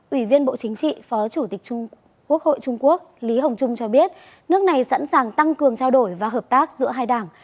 ủy viên bộ chính trị phó chủ tịch quốc hội trung quốc lý hồng trung cho biết nước này sẵn sàng tăng cường trao đổi và hợp tác giữa hai đảng